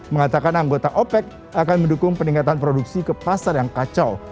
mengatakan anggota opec akan mendukung peningkatan produksi ke pasar yang kacau